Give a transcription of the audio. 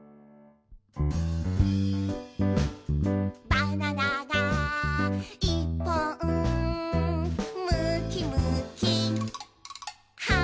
「バナナがいっぽん」「むきむきはんぶんこ！」